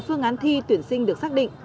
phương án thi tuyển sinh được xác định